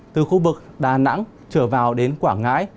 từ khu vực đà nẵng trở vào đến quảng ngãi